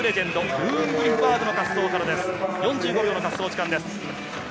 ４５秒の滑走時間です。